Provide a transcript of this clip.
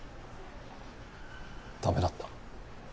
駄目だった。